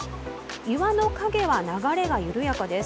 岩の陰は、流れが緩やかです。